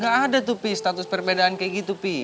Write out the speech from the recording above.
gak ada tuh pi status perbedaan kayak gitu pi